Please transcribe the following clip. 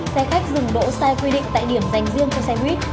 xe khách dừng đỗ sai quy định tại điểm dành riêng cho xe buýt